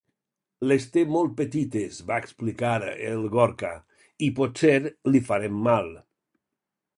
Les té molt petites —va replicar el Gorka—, i potser li farem mal.